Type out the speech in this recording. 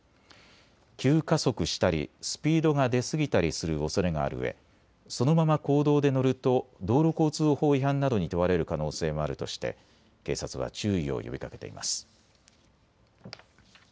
急加速したりスピードが出過ぎたりするおそれがあるうえそのまま公道で乗ると道路交通法違反などに問われる可能性もあるとして警察は注意を呼びかけています。